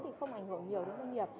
thì không ảnh hưởng nhiều đến doanh nghiệp